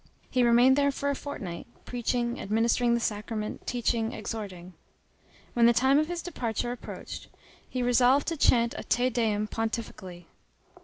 He remained there for a fortnight, preaching, administering the sacrament, teaching, exhorting. When the time of his departure approached, he resolved to chant a Te Deum pontifically.